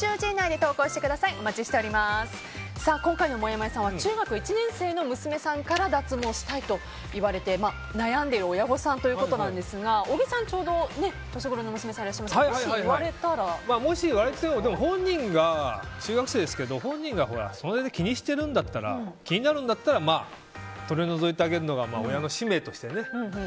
さあ、今回のもやもやさんは中学１年生の娘さんから脱毛したいと言われて悩んでいる親御さんということですが小木さん、ちょうど年ごろの娘さんがいらっしゃいますが本人、中学生ですけど本人が気にしてるんだったら気になるんだったら、まあ取り除いてあげるのが親の使命としてね。